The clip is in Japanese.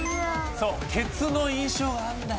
そうケツの印象あんだよ。